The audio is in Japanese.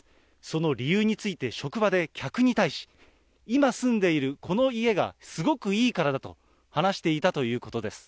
その理由について、職場で客に対し、今住んでいるこの家がすごくいいからだと話していたということです。